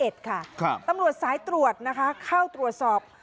เช้าไฟฟ้าไมวาก